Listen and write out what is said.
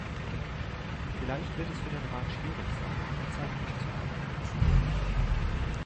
Vielleicht wird es für den Rat schwierig sein, unter Zeitdruck zu arbeiten.